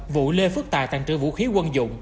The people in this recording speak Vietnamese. vụ lê phước tài tăng trưởng vũ khí quân dụng